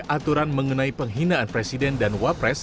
aturan mengenai penghinaan presiden dan wapres